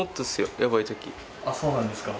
あっそうなんですか？